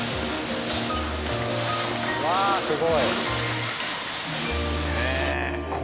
うわあすごい。